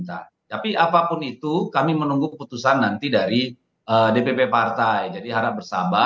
tapi apapun itu kami menunggu keputusan nanti dari dpp partai jadi harap bersama